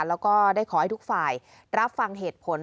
แล้วก็ได้ขอให้ทุกฝ่ายรับฟังเหตุผล